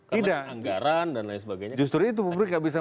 tidak justru itu publik nggak bisa